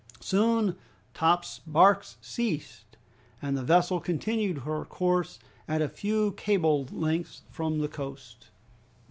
Soon Top's barks ceased, and the vessel continued her course at a few cables length from the coast.